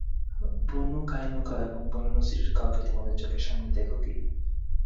বনু Qaynuqa এবং Banu নযীরের কাউকে তোমাদের চোখের সামনে দেখ কি?